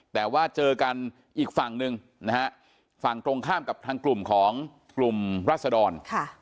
แต่ว่าเจอกันอีกฝั่งหนึ่งนะฮะฝั่งตรงข้ามกับทางกลุ่มของกลุ่มรัศดร